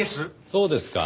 そうですか。